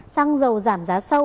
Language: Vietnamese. xăng dầu giảm giá sâu